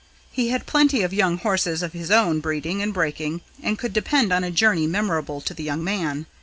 He had plenty of young horses of his own breeding and breaking, and could depend on a journey memorable to the young man.